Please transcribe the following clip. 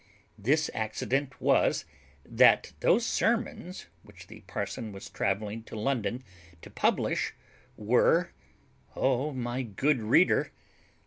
This accident was, that those sermons, which the parson was travelling to London to publish, were, O my good reader!